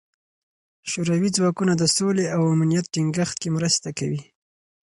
شوروي ځواکونه د سولې او امنیت ټینګښت کې مرسته کوي.